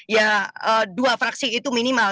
ya dua fraksi itu minimal